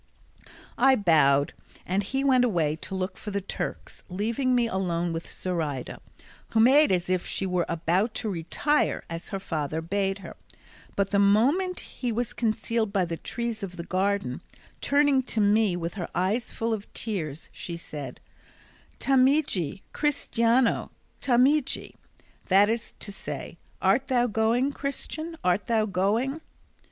I bowed, and he went away to look for the Turks, leaving me alone with Zoraida, who made as if she were about to retire as her father bade her; but the moment he was concealed by the trees of the garden, turning to me with her eyes full of tears she said, "Tameji, cristiano, tameji?" that is to say, "Art thou going, Christian, art thou going?"